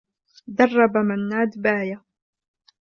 درّب منّاد باية.